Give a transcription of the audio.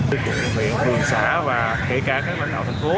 tư cụ huyện huyện xã và kể cả các lãnh đạo thành phố